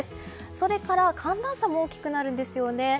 それから寒暖差も大きくなるんですよね。